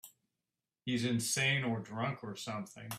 He's insane or drunk or something.